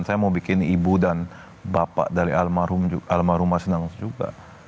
saya mau bikin ibu dan bapak dari almarhumah senang juga